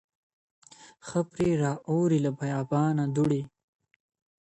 ښه پرې را اوري له بــــيابــــانـــه دوړي,